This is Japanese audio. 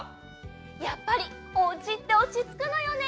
やっぱりおうちっておちつくのよね。